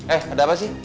eh ada apa sih